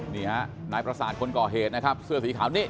นี่ฮะนายประสาทคนก่อเหตุนะครับเสื้อสีขาวนี่